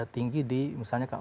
tinggi di misalnya